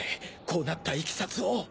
こうなったいきさつを